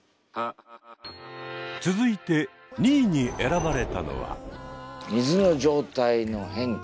続いて２位に選ばれたのは。